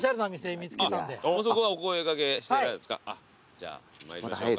じゃあ参りましょうか。